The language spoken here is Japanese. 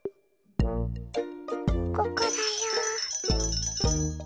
ここだよ。